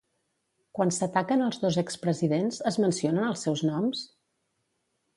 Quan s'ataquen els dos expresidents, es mencionen els seus noms?